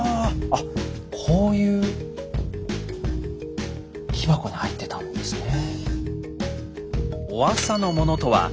あっこういう木箱に入ってたんですね。